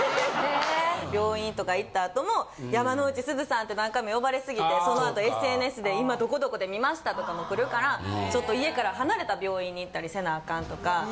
病院とか行った後も「山之内すずさん」って何回も呼ばれすぎてその後ＳＮＳで「今どこどこで見ました」とかも来るからちょっと家から離れた病院に行ったりせなアカンとか。